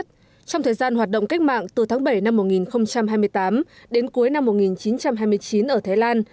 trong thời gian hoạt động cách mạng từ tháng bảy năm một nghìn hai mươi tám đến cuối năm một nghìn chín trăm hai mươi chín ở thái lan